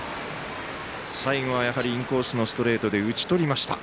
最後はインコースのストレートで打ち取りました。